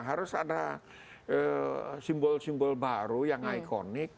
harus ada simbol simbol baru yang ikonik